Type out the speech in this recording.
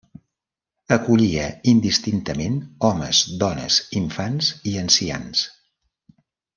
Acollia indistintament homes, dones, infants i ancians.